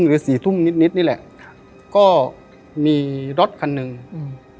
หรือสี่ทุ่มนิดนิดนี่แหละก็มีรถคันหนึ่งอืม